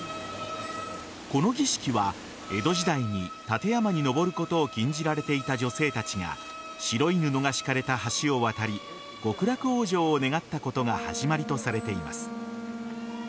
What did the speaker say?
この儀式は、江戸時代に立山に登ることを禁じられていた女性たちが白い布が敷かれた橋を渡り極楽往生を願ったことが始まりとされています。